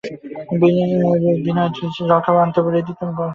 বিনয়, কিছু জলখাবার আনতে বলে দিই– কী বল?